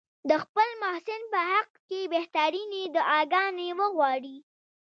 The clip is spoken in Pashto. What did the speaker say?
د خپل محسن په حق کې بهترینې دعاګانې وغواړي.